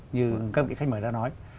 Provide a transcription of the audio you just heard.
như các vị khách mời đã nói